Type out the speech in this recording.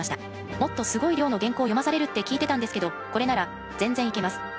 もっとすごい量の原稿を読まされるって聞いてたんですけどこれなら全然いけます。